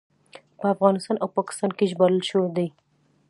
په افغانستان او پاکستان کې ژباړل شوی دی.